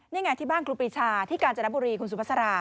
นี่ไงที่บ้านครูปรีชาที่กาญจนบุรีคุณสุภาษา